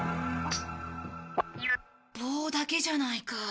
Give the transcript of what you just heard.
棒だけじゃないか。